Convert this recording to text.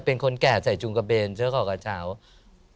โปรดติดตามต่อไป